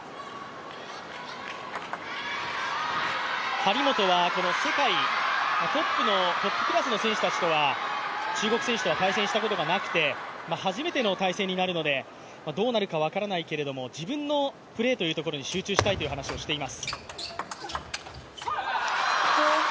張本は世界トップクラスの選手たちとは、中国選手とは対戦したことがなくて初めての対戦になるので、どうなるか分からないけれども自分のプレーというところに集中したいという話をしています。